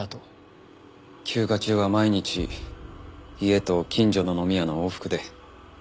休暇中は毎日家と近所の飲み屋の往復で。